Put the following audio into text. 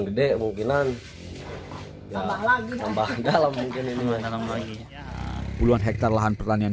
gede kemungkinan ya lagi nambah dalam mungkin ini menanggung puluhan hektar lahan pertanian